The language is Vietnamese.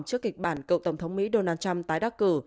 trước kịch bản cựu tổng thống mỹ donald trump tái đắc cử